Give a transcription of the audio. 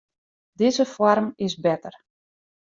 Dizze foarm is better.